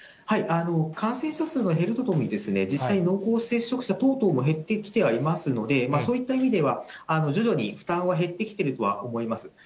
感染者数の減るとともに、実際、濃厚接触者等々も減ってきてはいますので、そういった意味では徐々に負担は減ってきているとは思います。